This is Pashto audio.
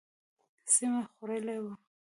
سیمه خوړلې وه.